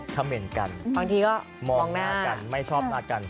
เหม็นกันบางทีก็มองหน้ากันไม่ชอบหน้ากัน